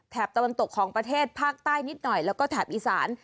ตะวันตกของประเทศภาคใต้นิดหน่อยแล้วก็แถบอีสาน